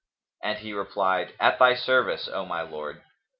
and he replied, "At thy service, O my lord."